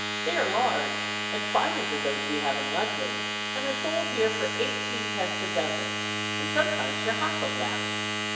They are large, and finer than those we have in London, and are sold here for eighteenpence a dozen, and sometimes for half of that.